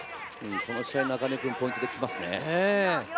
この試合で中根君、ポイントできますね。